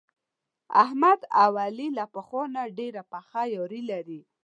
احمد او علي له پخوا نه ډېره پخه یاري لري.